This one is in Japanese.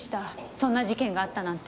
そんな事件があったなんて。